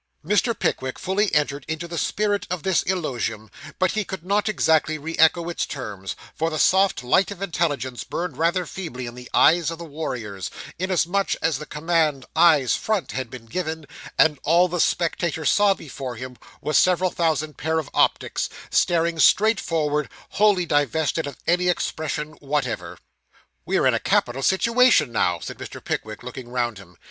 Mr. Pickwick fully entered into the spirit of this eulogium, but he could not exactly re echo its terms; for the soft light of intelligence burned rather feebly in the eyes of the warriors, inasmuch as the command 'eyes front' had been given, and all the spectator saw before him was several thousand pair of optics, staring straight forward, wholly divested of any expression whatever. 'We are in a capital situation now,' said Mr. Pickwick, looking round him.